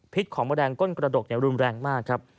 พิษของมาแรงก้นกระดกเร็วรุ่นแรงมากครับ